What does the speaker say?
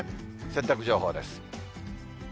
洗濯情報です。